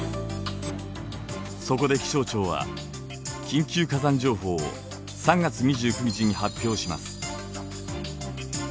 そこで気象庁は緊急火山情報を３月２９日に発表します。